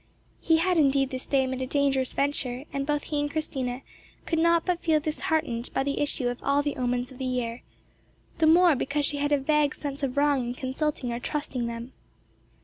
He had indeed this day made a dangerous venture, and both he and Christina could not but feel disheartened by the issue of all the omens of the year, the more because she had a vague sense of wrong in consulting or trusting them.